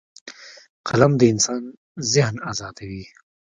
قلم د انسان ذهن ازادوي